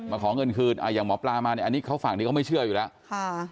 มาขอเงินคืนอย่างหมอปลามาฝั่งนี้เขาไม่เชื่ออยู่แล้ว